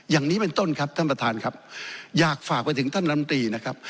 อย่างนี้เป็นต้นครับท่านประธานครับอยากฝากไปถึงท่านลำตีนะครับ